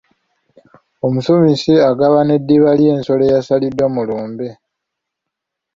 Omusumisi agabana eddiba ly’ensolo eyasaliddwa mu lumbe.